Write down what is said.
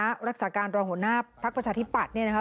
องค์รักษาการรองหัวหน้าพรัคประชาธิปัตธ์